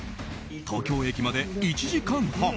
東京駅まで１時間半。